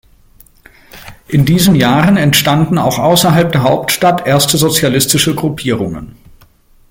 In diesen Jahren entstanden auch außerhalb der Hauptstadt erste sozialistische Gruppierungen.